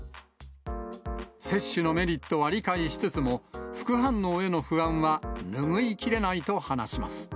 接種のメリットは理解しつつも、副反応への不安は拭いきれないと話します。